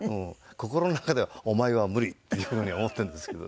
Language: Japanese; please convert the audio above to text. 心の中ではお前は無理っていう風に思ってるんですけどね。